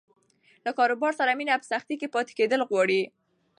له کاروبار سره مینه په سختۍ کې پاتې کېدل غواړي.